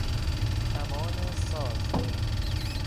کمان ساز